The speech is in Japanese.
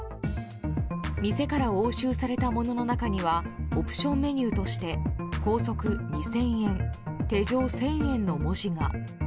店から押収されたものの中にはオプションメニューとして「拘束、２０００円」「手錠、１０００円」の文字が。